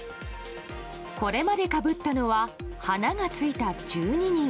これまで、かぶったのは花が付いた１２人。